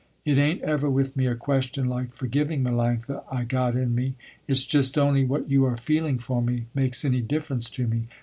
"It ain't ever with me a question like forgiving, Melanctha, I got in me. It's just only what you are feeling for me, makes any difference to me.